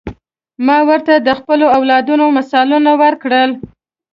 ما ورته د خپلو اولادونو مثالونه ورکړل.